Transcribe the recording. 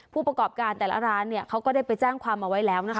ผู้ประกอบการตลาดร้านครับเขาก็ได้ไปจ้างความมาไว้แล้ว